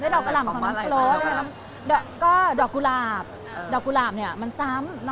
ได้ดอกกะหล่ำของน้องโฟร์ตก็ดอกกุหลาบดอกกุหล่ำเนี่ยมันซ้ำ